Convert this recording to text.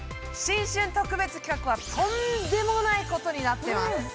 新春特別企画はとんでもないことになってます